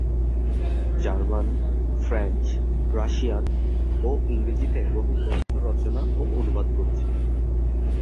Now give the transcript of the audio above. German, French, Russian ও ইংরেজিতে বহু গ্রন্থ রচনা ও অনুবাদ করেছেন।